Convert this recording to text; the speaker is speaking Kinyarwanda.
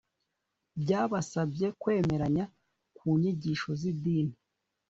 byabasabye kwemeranya ku nyigisho z idini